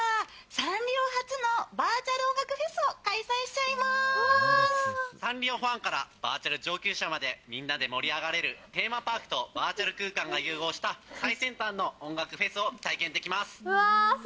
サンリオファンからバーチャル上級者まで、みんなで盛り上がれるテーマパークとバーチャル空間が融合した、最先端の音楽フェスを体験できます！